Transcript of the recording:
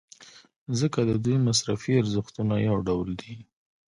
ځکه د دوی مصرفي ارزښتونه یو ډول دي.